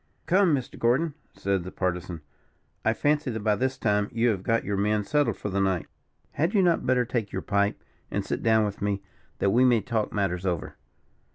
"Come, Mr. Gordon," said the Partisan, "I fancy that by this time you have got your men settled for the night. Had you not better take your pipe, and sit down with me, that we may talk matters over.